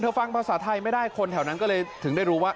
ฟังภาษาไทยไม่ได้คนแถวนั้นก็เลยถึงได้รู้ว่า